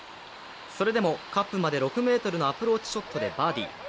それまでカップまで６ｍのアプローチショットでバーディー。